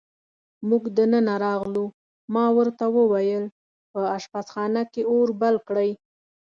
موږ دننه راغلو، ما ورته وویل: په اشپزخانه کې اور بل کړئ.